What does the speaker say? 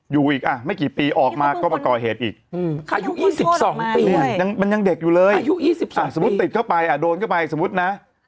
อยู่อีกไม่กี่ปีออกมาก็มาก่อเหตุอีกอายุ๒๒ปีมันยังเด็กอยู่เลยอายุ๒๒สมมุติติดเข้าไปโดนเข้าไปสมมุตินะ